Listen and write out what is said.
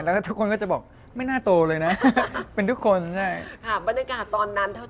ได้เจอไหมจริงเมื่อ๓ปีที่แล้ว